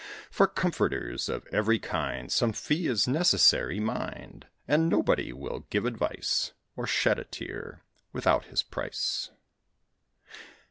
For comforters of every kind Some fee is necessary, mind; And nobody will give advice, Or shed a tear, without his price.